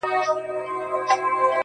هغه له لوږي په زړو نتلي -